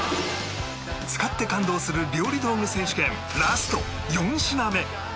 使って感動する料理道具選手権ラスト４品目